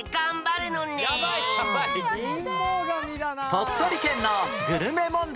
鳥取県のグルメ問題